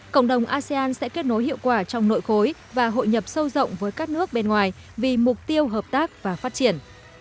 cộng đồng asean sẽ kết nối hiệu quả trong nội khối và hội nhập sâu rộng với các nước bên ngoài vì mục tiêu hợp tác và phát triển